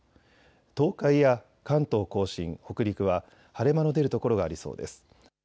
東海や関東甲信、北陸は晴れ間の出る所がありそうです。